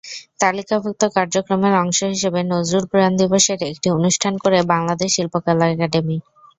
তালিকাভুক্ত কার্যক্রমের অংশ হিসেবে নজরুল প্রয়াণ দিবসের একটি অনুষ্ঠান করে বাংলাদেশ শিল্পকলা একাডেমী।